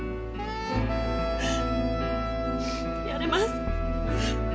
やれます。